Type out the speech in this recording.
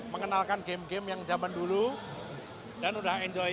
mengenalkan game game yang zaman dulu dan sudah menikmati